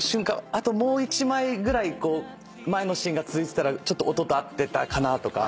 あともう一枚ぐらい前のシーンが続いてたら音と合ってたかなとか。